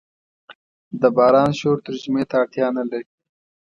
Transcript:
د باران شور ترجمې ته اړتیا نه لري.